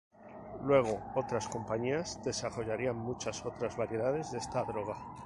Luego otras compañías desarrollarían muchas otras variedades de esta droga.